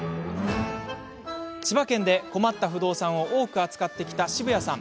千葉県で、困った不動産を多く扱ってきた渋谷さん。